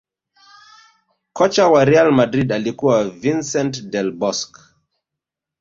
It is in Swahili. Kocha wa real madrid alikuwa Vincent Del Bosque